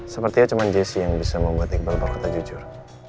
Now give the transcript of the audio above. sepertinya cuman jessy yang bisa membuat iqbal berkata jujur